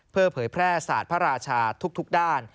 เพื่อเผยแพร่ศาสตร์พระราชาทุกด้าน